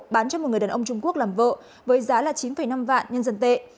bán cho một người đàn ông trung quốc làm vợ với giá là chín năm vạn nhân dân tệ